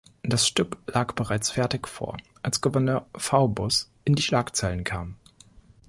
Das Stück lag bereits fertig vor, als Gouverneur Faubus in die Schlagzeilen kam.